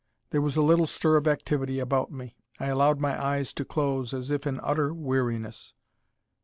There was a little stir of activity about me. I allowed my eyes to close, as if in utter weariness.